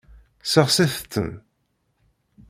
Sexsit-ten.